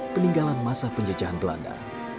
peninggalan masa penjejahan belanda